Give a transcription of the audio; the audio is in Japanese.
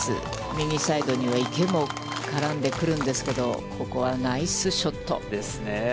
右サイドには池も絡んでくるんですけど、ここはナイスショット。ですねえ。